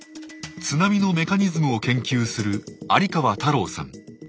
津波のメカニズムを研究する有川太郎さん。